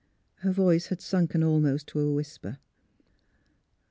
" Her voice had sunken almost to a whisper.